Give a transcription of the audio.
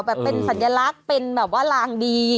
แบบเป็นสัญลักษณ์เป็นแบบว่าลางดี